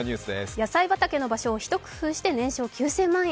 野菜畑の場所をひと工夫して年商９０００万円。